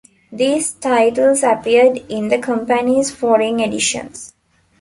These titles appeared in the company's foreign editions.